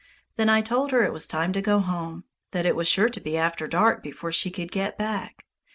Then I told her it was time to go home, that it was sure to be after dark before she could get back.